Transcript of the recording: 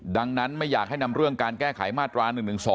ดังนั้นไม่อยากให้นำเรื่องการแก้ไขมาตรา๑๑๒